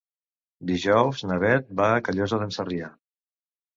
Dijous na Beth va a Callosa d'en Sarrià.